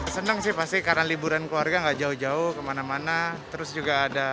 sheeparty karena liburan keluarga nggak jauh jauh kemana mana terus juga ada